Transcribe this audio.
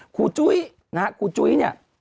ครูจุ๊ยนะครับครูจุ๊ยเนี่ย